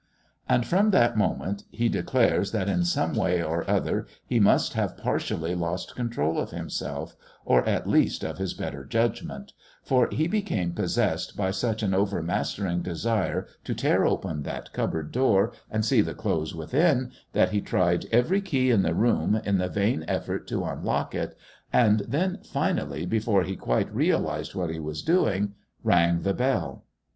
And from that moment, he declares that in some way or other he must have partially lost control of himself, or at least of his better judgment; for he became possessed by such an overmastering desire to tear open that cupboard door and see the clothes within, that he tried every key in the room in the vain effort to unlock it, and then, finally, before he quite realised what he was doing rang the bell!